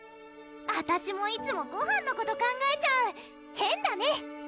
あたしもいつもごはんのこと考えちゃう「変」だね！